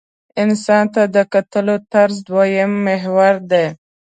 انسان ته د کتلو طرز دویم محور دی.